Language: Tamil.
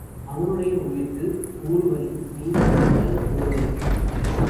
அவனுடைய உயிர்க்கு ஊறு வரின் நீ இறத்தல் ஒருதலை.